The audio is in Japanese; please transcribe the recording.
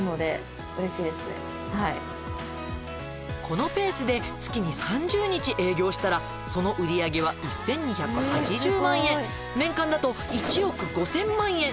「このペースで月に３０日営業したらその売り上げは１，２８０万円」「年間だと１億５，０００万円」